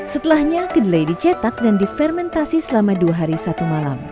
setelahnya kedelai dicetak dan difermentasi selama dua hari satu malam